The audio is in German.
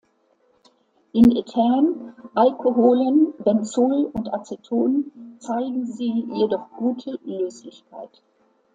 In Ethern, Alkoholen, Benzol und Aceton zeigen sie jedoch gute Löslichkeit.